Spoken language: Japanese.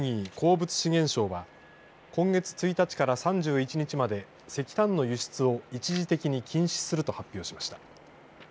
・鉱物資源省は今月１日から３１日まで石炭の輸出を一時的に禁止すると発表しました。